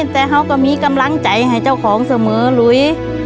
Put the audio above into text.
แต่เขาก็มีกำลังใจให้เจ้าของเสมอลุย